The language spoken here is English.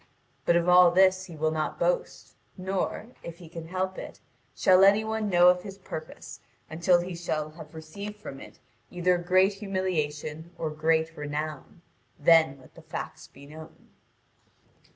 But of all this he will not boast, nor, if he can help it, shall any one know of his purpose until he shall have received from it either great humiliation or great renown: then let the facts be known.